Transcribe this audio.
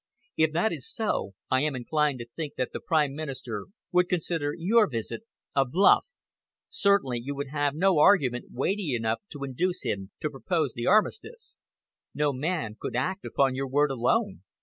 If that is so, I am inclined to think that the Prime Minister would consider your visit a bluff. Certainly, you would have no argument weighty enough to induce him to propose the armistice. No man could act upon your word alone.